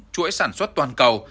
chuỗi sản xuất toàn cầu